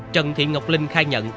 trần thị ngọc linh khai nhận